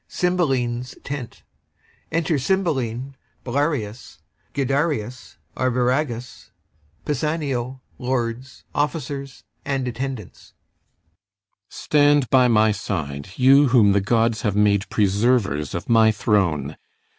CYMBELINE'S tent Enter CYMBELINE, BELARIUS, GUIDERIUS, ARVIRAGUS, PISANIO, LORDS, OFFICERS, and attendants CYMBELINE. Stand by my side, you whom the gods have made Preservers of my throne.